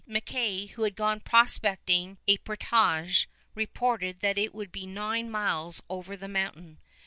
Mackay, who had gone prospecting a portage, reported that it would be nine miles over the mountain.